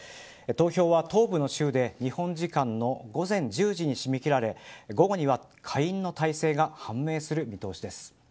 投票は東部の州で日本時間の午前１０時に締め切られ午後には下院の大勢が判明する見通しです。